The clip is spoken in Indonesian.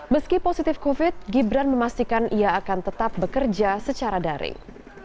meski positif covid gibran memastikan ia akan tetap bekerja secara daring